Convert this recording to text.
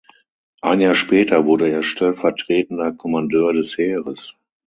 Ein Jahr später wurde er stellvertretender Kommandeur des Heeres.